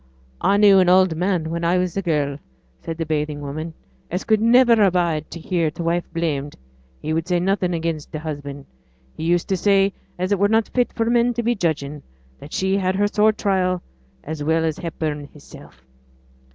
'I knew an old man when I was a girl,' said the bathing woman, 'as could niver abide to hear t' wife blamed. He would say nothing again' th' husband; he used to say as it were not fit for men to be judging; that she had had her sore trial, as well as Hepburn hisself.'